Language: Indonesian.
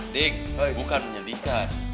dik bukan menyedihkan